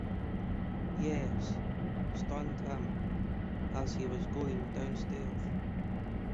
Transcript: Yes — stunned him — as he was going downstairs.